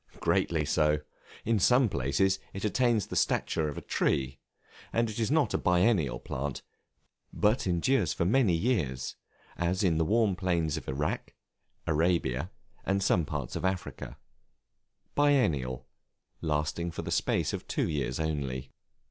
Greatly so. In some places it attains the stature of a tree, and is not a biennial plant, but endures for many years, as in the warm plains of Irak, Arabia, and some parts of Africa. Biennial, lasting for the space of two years only.